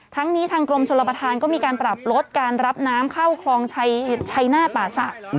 ทั้งนี้ทางกรมชนประธานก็มีการปรับลดการรับน้ำเข้าคลองชัยหน้าป่าศักดิ์